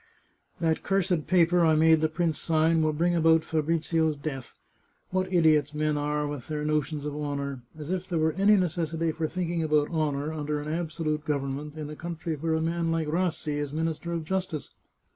" That cursed paper I made the prince sign will bring about Fabrizio's death ! What idiots men are, with their no tions of honour ! As if there were any necessity for thinking about honour under an absolute government in a country where a man like Rassi is Minister of Justice